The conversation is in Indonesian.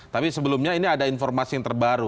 tapi sebelumnya ini ada informasi yang terbaru